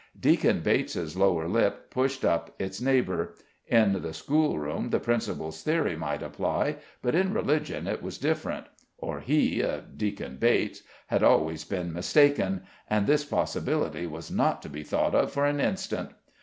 Deacon Bates's lower lip pushed up its neighbor; in the school room, the Principal's theory might apply, but in religion it was different, or he (Deacon Bates) had always been mistaken, and this possibility was not to be thought of for an instant.